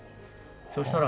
そしたらね